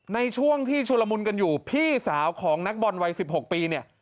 ในช่วงที่ชุลมุนกันอยู่พี่สาวของนักบอลวัย๑๖ปีเนี่ย